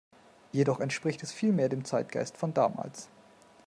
Jedoch entspricht es viel mehr dem Zeitgeist von damals.